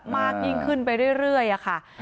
มากยิ่งขึ้นไปเรื่อยค่ะ